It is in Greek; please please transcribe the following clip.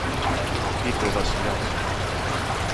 είπε ο Βασιλιάς.